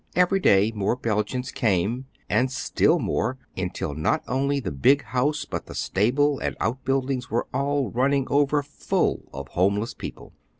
Every day more Belgians came, and still more, until not only the big house, but the stable and outbuildings were all running over full of homeless people.